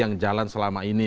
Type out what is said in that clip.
yang jalan selama ini